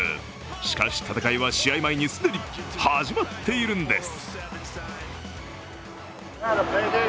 しかし戦いは試合前に既に始まっているんです。